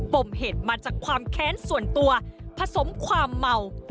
มเหตุมาจากความแค้นส่วนตัวผสมความเมา